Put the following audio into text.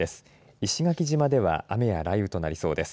石垣島では雨や雷雨となりそうです。